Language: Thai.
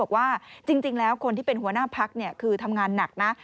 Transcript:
บอกว่าจริงแล้วคนที่เป็นหัวหน้าพักคือทำงานหนักนะ